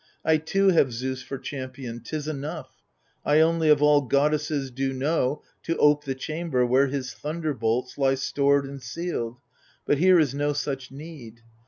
I too have Zeus for champion — 'tis enough — I only of all goddesses do know To ope the chamber where his thunderbolts Lie stored and sealed ; but here is no such need.